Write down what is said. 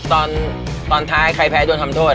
ตอนท้ายใครแพ้โดนทำโทษ